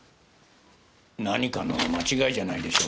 何かの間違いじゃないでしょうか。